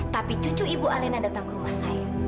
tapi cucu ibu alena datang ke rumah saya